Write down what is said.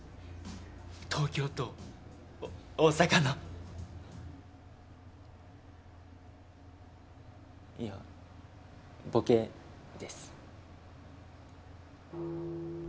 東京と大阪のいやボケです